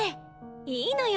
いいのよ。